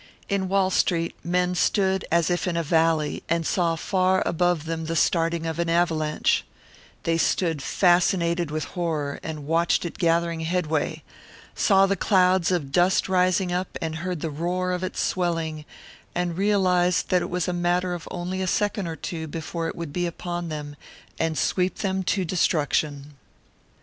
In Wall Street men stood as if in a valley, and saw far up above them the starting of an avalanche; they stood fascinated with horror, and watched it gathering headway; saw the clouds of dust rising up, and heard the roar of it swelling, and realised that it was a matter of only a second or two before it would be upon them and sweep them to destruction.